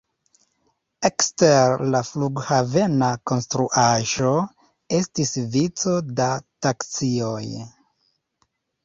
Ekster la flughavena konstruaĵo estis vico da taksioj.